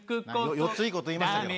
４ついい事言いましたけど。